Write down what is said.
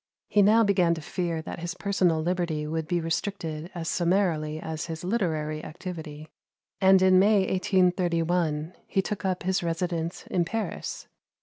He now began to fear that his personal liberty would be restricted as summarily as his literary activity; and in May, 1831, he took up his residence in Paris.